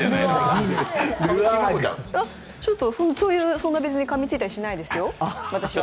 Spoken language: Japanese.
そんな別にかみついたりしないですよ、私は。